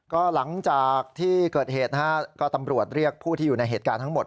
ก็หลังจากที่เกิดเหตุนะฮะก็ตำรวจเรียกผู้ที่อยู่ในเหตุการณ์ทั้งหมด